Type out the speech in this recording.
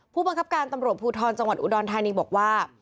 ผู้บังคับการตำรวจภูทรจังหวัดอุดรธานีบอกว่า